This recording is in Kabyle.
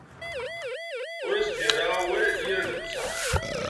Ur as-d yerra awal yir netta.